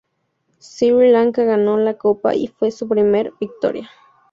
Sri Lanka ganó la Copa y fue su primer victoria.